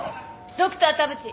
ドクター田淵。